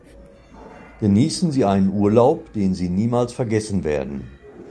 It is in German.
Genießen Sie einen Urlaub, den Sie niemals vergessen werden“.